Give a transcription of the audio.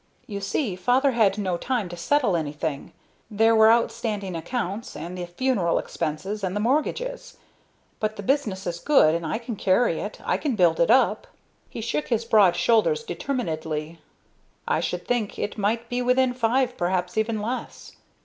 "You see, father had no time to settle anything; there were outstanding accounts, and the funeral expenses, and the mortgages. But the business is good; and I can carry it; I can build it up." He shook his broad shoulders determinedly. "I should think it might be within five, perhaps even less.